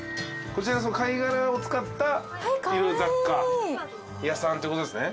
こちら貝殻を使った雑貨屋さんということですね。